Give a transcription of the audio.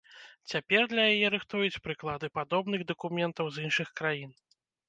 Цяпер для яе рыхтуюць прыклады падобных дакументаў з іншых краін.